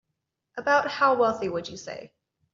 About how wealthy would you say?